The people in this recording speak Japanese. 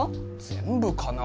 全部かな？